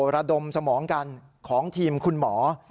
ระดมสมองกันของทีมคุณหมอ